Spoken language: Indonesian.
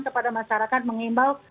kepada masyarakat mengimbau